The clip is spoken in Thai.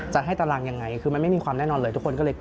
จะให้ตารางอย่างไรคือมันไม่มีความแน่นอนเลย